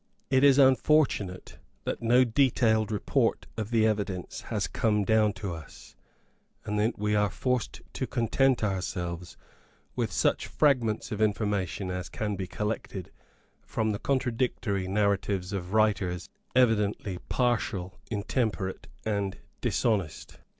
It is unfortunate that no detailed report of the evidence has come down to us, and that we are forced to content ourselves with such fragments of information as can be collected from the contradictory narratives of writers evidently partial, intemperate and dishonest.